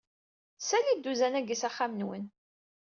Sali dduzan-agi s axxam-nnwen.